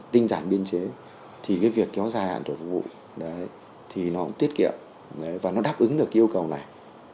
tinh dản biên chế thì việc kéo dài hạn tuổi phục vụ thì nó cũng tiết kiệm và nó đáp ứng được yêu cầu này